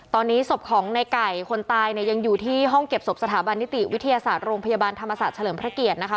ตอนนี้ศพของในไก่คนตายเนี่ยยังอยู่ที่ห้องเก็บศพสถาบันนิติวิทยาศาสตร์โรงพยาบาลธรรมศาสตร์เฉลิมพระเกียรตินะคะ